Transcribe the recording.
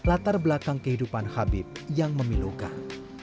latar belakang kehidupan habib yang memilukan